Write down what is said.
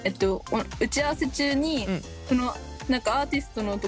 打ち合わせ中にえ。